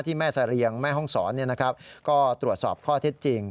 ที่แม่สะเรียงแม่ห้องสอนเนี่ยนะครับก็ตรวจสอบข้อเท็จจริง